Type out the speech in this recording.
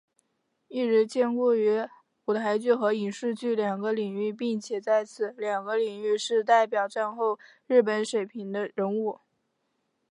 一直兼顾于舞台剧和影视剧两个领域并且在此两个领域是代表战后日本水平的人物。